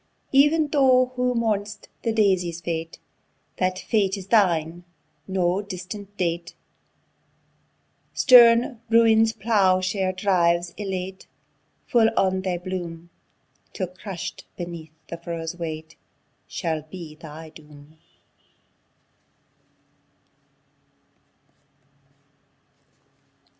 Ev'n thou who mourn'st the Daisy's fate, That fate is thine no distant date; Stern Ruin's plough share drives elate, Full on thy bloom, Till crush'd beneath the furrow's weight, Shall be thy doom!